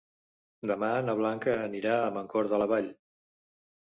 Demà na Blanca anirà a Mancor de la Vall.